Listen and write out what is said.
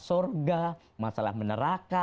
sorga masalah meneraka